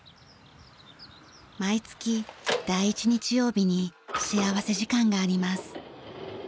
毎月第１日曜日に幸福時間があります。